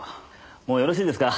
もうよろしいですか？